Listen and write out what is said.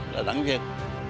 là đảng viên